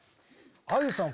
あゆさん